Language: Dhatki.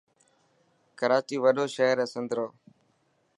ڪراچي وڏو شهر هي سنڌرو.